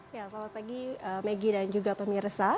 selamat pagi megi dan juga pemirsa